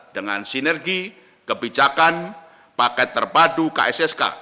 dengan sinergi kebijakan paket terpadu kssk